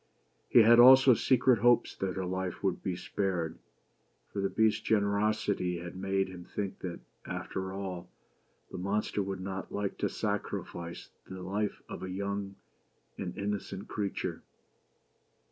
He had also secret hopes that her life would be spared ; for the Beast's generosity had made him think that, after all, the monster would not like to sacrifice the life of a young and innocent creature.